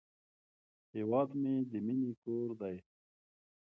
هیواد مې د مینې کور دی